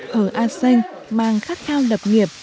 hờ a xanh mang khát khao lập nghiệp